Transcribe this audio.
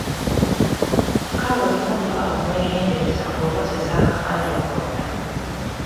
Kale olina okuba omwegendereza ng'okozesa akafaananyi konna.